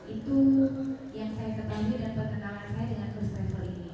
itu yang saya ketahui dan perkenalan saya dengan first travel ini